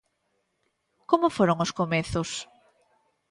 Como foron os comezos?